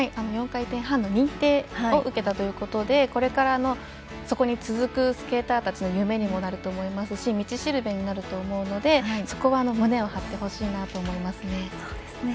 ４回転半の認定を受けたということでこれからのそこに続くスケーターたちの夢になると思いますし道しるべになると思うのでそこは、胸を張ってほしいなと思いますね。